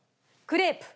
クレープ。